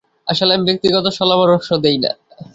আসলে, আমি ব্যক্তিগত শলাপরামর্শ দেই না।